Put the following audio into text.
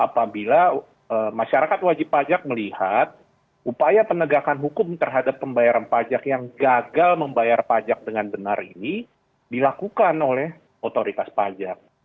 apabila masyarakat wajib pajak melihat upaya penegakan hukum terhadap pembayaran pajak yang gagal membayar pajak dengan benar ini dilakukan oleh otoritas pajak